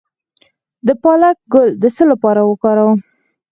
د پالک ګل د څه لپاره وکاروم؟